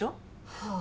はあ。